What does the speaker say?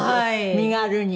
身軽に。